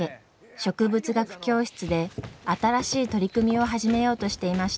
植物学教室で新しい取り組みを始めようとしていました。